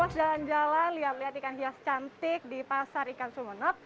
sudah puas jalan jalan lihat lihat ikan hias cantik di pasar ikan sumenok